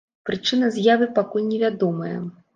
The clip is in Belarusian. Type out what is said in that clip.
Прычына з'явы пакуль не вядомая.